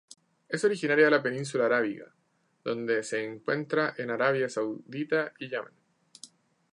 Es originaria de la Península Arábiga donde se encuentra en Arabia Saudita y Yemen.